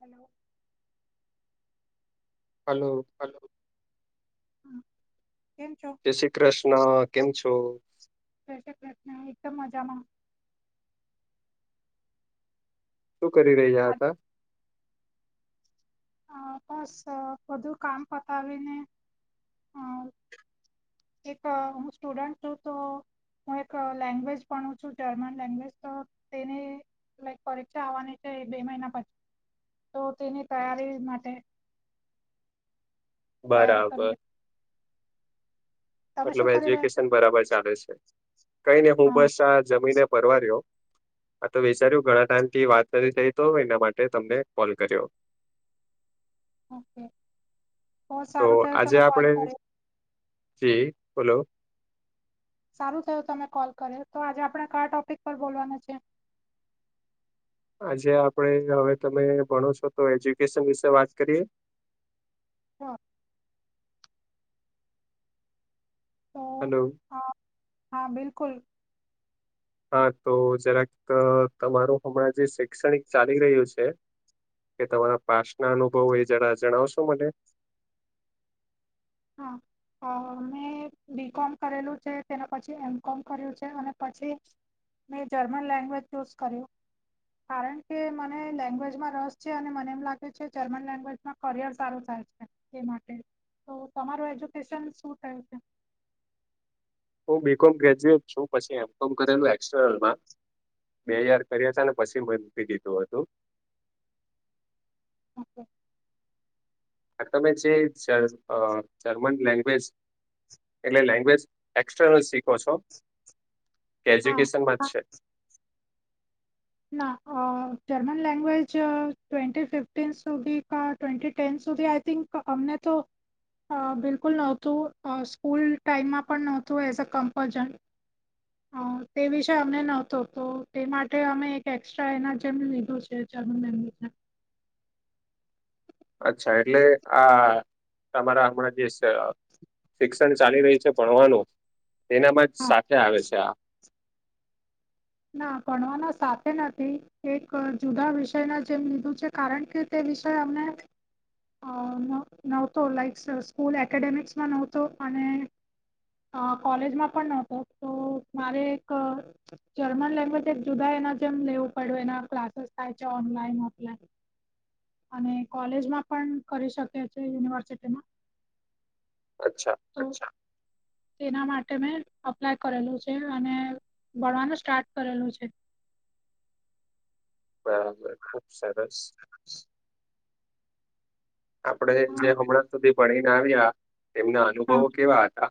Hello. Hello. [inaudible] કેમ છો? જે શ્રી કૃષ્ણ, કેમ છો? જે શ્રી કૃષ્ણ, એકદમ મજામાં. શું કરી રહ્યા આજ હતા? અ બસ અ બધું કામ પતાવી ને [inaudible] એક હું સ્ટુડન્ટ છું તો હું એક લેંગ્વેજ ભણું છું જર્મન લેંગ્વેજ તો તેને લાઈક પરીક્ષા આવવાની છે બે મહિના પછી તો તેની તયારી માટે તૈયારી કરી બરાબર. રહી. તમે મતલબ શું કરી રહ્યા છો એજ્યુકેશન બરાબર ચાલે છે. કઈ નહી હું હા બસ આ જમીને પરવાર્યો આ તો ઓ- વિસાર્યું ઘણા ટાઈમ થી વાત નથી થઈ તો એના માટે તમને કોલ કર્યો. ઓકે. બહુ તો સારું થયું આજે તમે કોલ આપડે કર્યો જી બોલો સારું થયું તમે કોલ કર્યો તો આજે આપડે કયા ટોપિક પર બોલવાના છે. આજે આપડે હવે તમે ભણો છો તો એજ્યુકેશન વિશે વાત કરીએ. હા. અ હલો. હ હા બિલકુલ. હ તો જરાક તમારું હમણાં જે શૈક્ષણિક ચાલી રહ્યું છે કે તમારા પાસ ના અનુભવો એ જરા જણાવશો મને. [inaudible] હ, અને મેં બી. કોમ. કરેલું છે, તેના પછી એમ. કોમ. કર્યું છે અને પછી મેં જર્મન લેંગ્વેજ ચૂઝ કર્યું. કારણ કે મને લેંગ્વેજમાં રસ છે અને મને એમ લાગે છે, જર્મન લેંગ્વેજ કરિયર સારું થાય છે એ માટે તો તમારું એજ્યુકેશન શું થયું છે? હું બી કોમ ગ્રેજ્યુએટ છું પછી એમ કો કરેલું એક્સટ્રનલમાં બે ઈયર કર્યા હતા ને પછી મ મૂકી દીધું હતું. [inaudible] આ તમે જે જર્મ અ અ જર્મન લેંગ્વેજ એટલે લેંગ્વેજ એક્ટ્રનલ શીખો છો કે એજ્યુકેશનમાં હા જ છે? ના, અ જર્મન લેંગ્વેજ ટ્વેન્ટી ફિફ્ટીન સુધી કા ટ્વેન્ટી ટેન્થ સુધી આય થિંક અમને તો અ બિલકુલ નહોતું અ સ્કૂલ ટાઈમમાં પણ નહોતું એઝ અ કમ્પજન અ તે વિષય અમને નહતો તો તે માટે અમે એક્સ્ટ્રા એના જેમ લીધો છે જર્મન લેન્ગવેજના. અચ્છા એટલે આ તમારા અમણા જે છ શિક્ષણ ચાલી રહી છે ભણવાનું તેનામાં જ હા સાથે આવે છે આ. ના, ભણવાના સાથે નથી. એક જુદા વિષયના જેમ લીધું છે કારણ કે તે વિષય અમને અ ન નહોતો લાઈકસ સ્કૂલ એકેડેમિક્સમાં નહોતો અને અ કોલેજમાં પણ ન હતો તો મારે એક જર્મન લેંગ્વેજ એક જુદા એના જેમ લેવું પડે એના ક્લાસીસ થાય છે ઓનલાઈન, ઓફલાઈન અને કોલેજમાં પણ કરી શકે છે યુનિવર્સિટીમાં. અચ્છા. અચ્છા. તો તેના માટે મેં અપ્લાય કરેલું છે અને ભણવાનું સ્ટાર્ટ કરેલું છે. બરાબર, ખુબ સરસ. સરસ. આપણે અ, જે હમણાં સુધી ભણીને આવ્યા એમના અનુભવો કેવા હતા?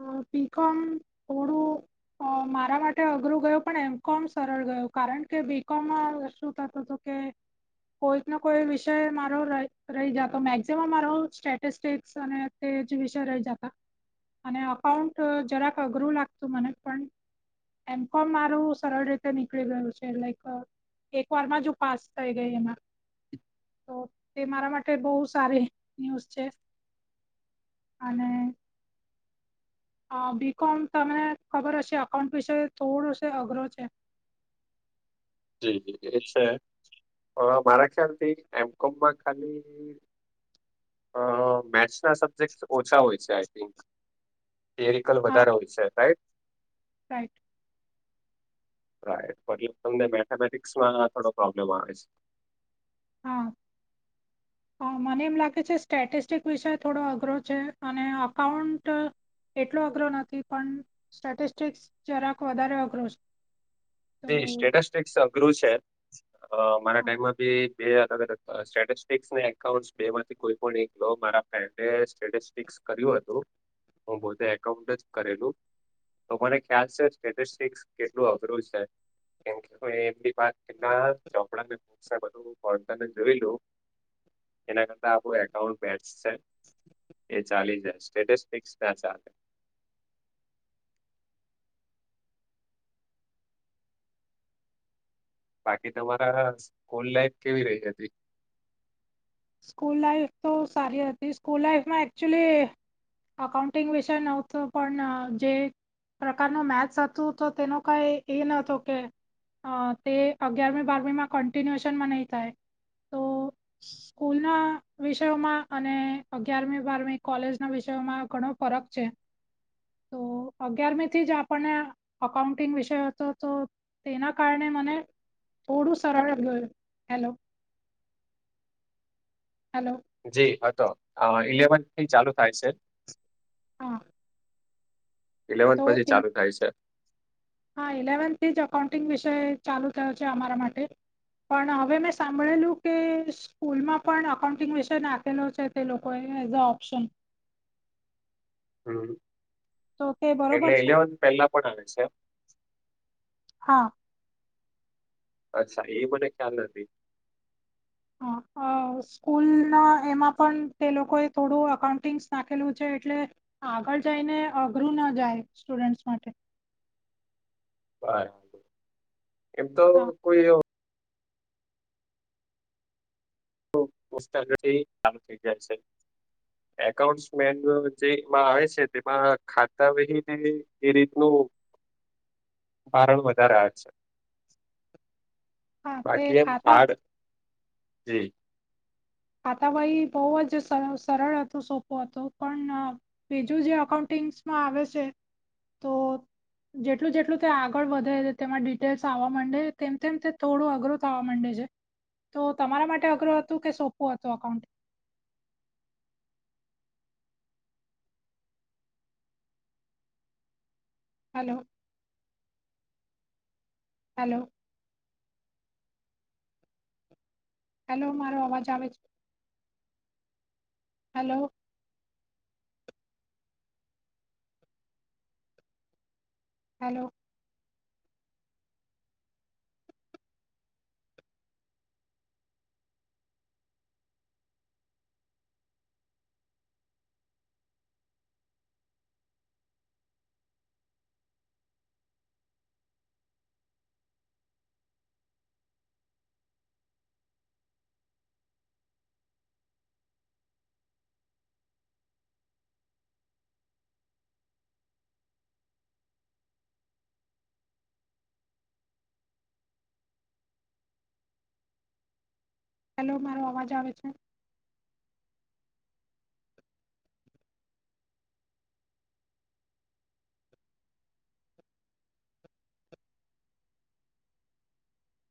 અ બી કોમ થોડું અ મારા માટે અઘરું ગયું પણ એમ કોમ સરળ ગયું કારણ કે બીકોમમાં શું થતું હતું [inaudible] કોઈકનો કોઈ વિષય મારો રહી રહી જતો મેક્ઝિમમ મારો સ્ટેટસ્ટિકસ અને તે જે વિષય રહી જાતાં અને અકાઉન્ટ જરાક અઘરું લાગતું મને પણ એમ કોમ મારું સરળ રીતે નીકળી ગયું છે લાઈક અ એક વારમાં જ હું પાસ થઈ ગઈ એમાં તો તે મારા માટે બહુ સારી ન્યૂઝ છે અને અ બીકોમ તમને ખબર હશે અકાઉન્ટ વિશે થોડો છે અઘરો છે. જી, જી એ છે. અ મારા ખ્યાલથી એમ કોમમાં ખાલી ઈ ઈ અ મેથ્સના સબ્જેક્ટ ઓછા હોય છે આઈ થિંક થરિકલ હા. વધારે હોય છે, રાઈટ? રાઈટ. રાઈટ, બાકી તમને મેથેમેટિક્સમાં થોડો પ્રોબ્લેમ આવે છે? [inaudible] હા, મને એમ લાગે છે સ્ટેટિસ્ટિક વિષય થોડો અઘરો છે અને અકાઉન્ટ એટલો અઘરો નથી પણ સ્ટેટિસ્ટિકસ જરાક વધારે અઘરો છે. તે તો સ્ટેટસ્ટિકસ અઘરું છે અ મારા ટાઈમમાં ભી બે અલગ -અલગ સ્ટેસ્ટસ ને એકાઉન્ટ બે માંથી. કોઈ પણ એક મારા ફ્રેન્ડ સ્ટેટસ [unintelligible] કર્યું હતું, હું પોતે એકાઉન્ટ જ કરેલું તો મને ખ્યાલ છે, સ્ટેટસ્ટિકસ કેટલું અઘરું છે. કેમ કે, [unintelligible] એમની [unintelligible] ના ચોપડાને બુક્સ ‌ને બધુ [unintelligible] જોયેલું એના કરતા આપણું એકાઉન્ટ બેસ્ટ છે, એ ચાલી જાય સ્ટેટસ્ટિક્સ ના ચાલે. બાકી તમારા હારે સ્કૂલ લાઈફ કેવી રહી હતી, સ્કૂલ લાઈફ તો સારી હતી સ્કૂલ લાઈફમાં એકચુલી, અકાઉન્ટિંગ વિશે નહોતું પણ જે. પ્રકારનું મેસ હતું તો તેનો કંઈ એ નતો કે, અ તે અગિયારમી બારમીમાં કન્ટિન્યુએશનમાં નહીં થાય તો, સ્કૂલના વિષયોમાં અને અગિયારમી -બારમી કોલેજના વિષયોમાં ઘણો ફરક છે. [inaudible] તો અગિયારમીથી જ આપણને અકાઉન્ટિંગ વિષય હતો તો, તેના કારણે મને થોડું સરળ થયું, હેલો હાલો, જી હતો ઇલેવનથી ચાલુ થાય છે, [inaudible] ઇલેવન્થ તો પછી એ- ચાલુ થાય છે. હા ઇલેવન્થી જ અકાઉન્ટિંગ વિષય ચાલુ થયો છે, અમારા માટે. પણ હવે મેં સાંભળેલું કે, સ્કૂલમાં પણ અકાઉન્ટિંગ વિશે નાખેલો છે, તે લોકો એઝ ઓપ્શન. હું તો તે એટલે બરોબર છે ઇલેવન પહેલા પણ આવે છે, હા અચ્છા એ મને ખ્યાલ નથી, [inaudible] અ, સ્કૂલના એમાં પણ તે લોકોએ થોડું અકાઉન્ટિંગ નાખેલું છે, એટલે આગળ જઈને અઘરું ના જાય સ્ટુડન્ટસ માટે, એમતો હા કોઈ [inaudible] એકાઉન્ટ મેન જેમાં આવે છે, તેમાં ખાતાવહીને એ રીતનું. ભારણ વધારે આવે છે, હા તે બાકી ખાતા હાર્ડ જે આતા ભાઈ બહુ જ સર સરળ હતું સોપો હતું પણ, બીજું જે અકાઉન્ટિંગ્સમાં આવે છે, તો જેટલું- જેટલું તે આગળ વધે તેમાં ડિટેલ્સ આવવા માંડે તેમ -તેમ તે થોડું અઘરું. થાવા મંડે છે, તો તમારા માટે અઘરું હતું કે સોપું હતું એકાઉન્ટ, હાલો. હાલો, હાલો મારો અવાજ આવે છે. હાલો, હાલો, હાલો મારો અવાજ આવે છે.